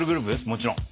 もちろん。